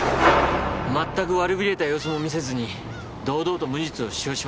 まったく悪びれた様子も見せずに堂々と無実を主張しましてね。